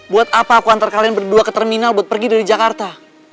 buat apa aku antar kalian berdua ke terminal buat pergi dari jakarta